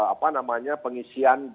apa namanya pengisiannya